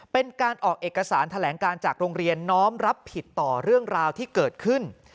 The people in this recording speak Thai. เป็นการออกเอกสารแถลงการจากโรงเรียนน้อมรับผิดต่อเรื่องราวที่เกิดขึ้น